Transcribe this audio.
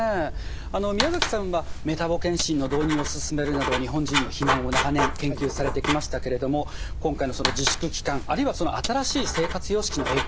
あの宮崎さんはメタボ健診の導入を進めるなど日本人の肥満を長年研究されてきましたけれども今回の自粛期間あるいは新しい生活様式の影響